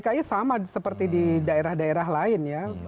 dki sama seperti di daerah daerah lain ya